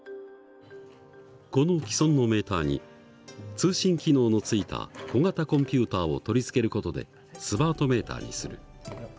この既存のメーターに通信機能のついた小型コンピューターを取り付ける事でスマートメーターにする。